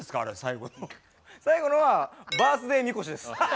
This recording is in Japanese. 最後のはバースデーみこしです。